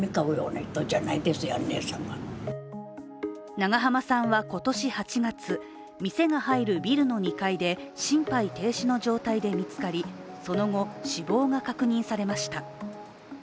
長濱さんは今年８月、店が入るビルの２階で心肺停止の状態で見つかり、その後、死亡が確認されました。